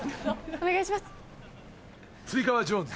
お願いします！